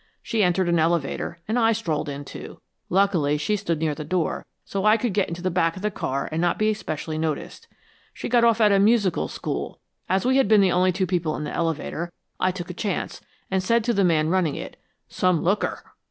She entered an elevator, and I strolled in, too. Luckily, she stood near the door, so I could get into the back of the car and not be specially noticed. She got off at a musical school. As we had been the only two people in the elevator, I took a chance, and said to the man running it, 'Some looker!'"